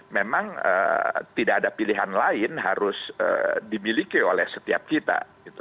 memang tidak ada pilihan lain harus dimiliki oleh setiap kita